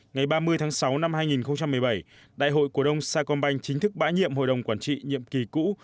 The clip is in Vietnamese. ngày ba mươi tháng sáu năm hai nghìn một mươi bảy đại hội của đông sa công banh chính thức bãi nhiệm hội đồng quản trị nhiệm kỳ cũ